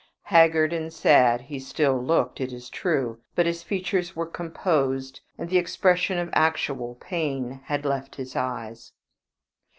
Haggard and sad he still looked, it is true; but his features were composed, and the expression of actual pain had left his eyes.